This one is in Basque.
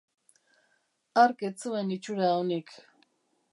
Hark ez zuen itxura onik.